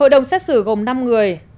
hội đồng xét xử gồm năm người